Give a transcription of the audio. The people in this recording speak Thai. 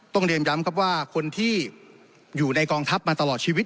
เรียนย้ำครับว่าคนที่อยู่ในกองทัพมาตลอดชีวิต